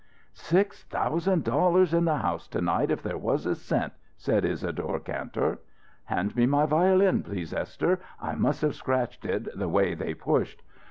"Six thousand dollars in the house to night if there was a cent," said Isadore Kantor. "Hand me my violin please, Esther. I must have scratched it, the way they pushed."